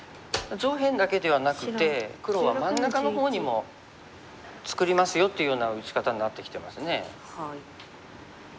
上辺だけではなくて黒は真ん中の方にも作りますよっていうような打ち方になってきてますね。